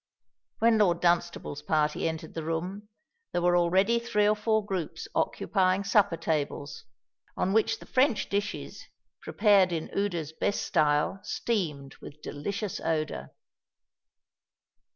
When Lord Dunstable's party entered the room, there were already three or four groups occupying supper tables, on which the French dishes, prepared in Ude's best style steamed, with delicious odour.